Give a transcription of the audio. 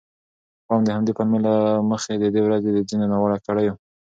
غواړم د همدې پلمې له مخې د دې ورځو د ځینو ناوړه کړیو